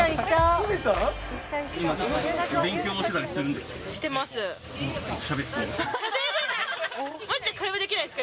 お勉強してたりするんですか？